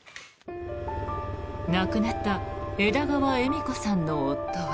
亡くなった枝川恵美子さんの夫は。